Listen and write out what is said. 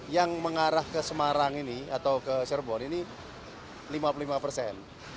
yang mengarah ke semarang ini atau ke cirebon ini lima puluh lima persen